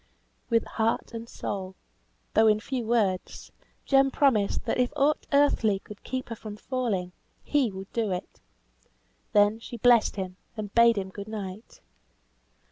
With heart and soul, though in few words, Jem promised that if aught earthly could keep her from falling, he would do it. Then she blessed him, and bade him good night.